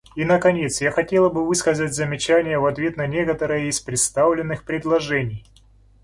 И наконец, я хотела бы высказать замечания в ответ на некоторые из представленных предложений.